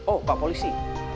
oh pak polisi